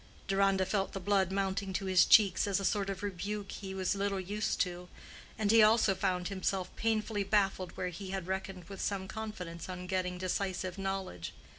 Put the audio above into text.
Deronda felt the blood mounting to his cheeks as a sort of rebuke he was little used to, and he also found himself painfully baffled where he had reckoned with some confidence on getting decisive knowledge.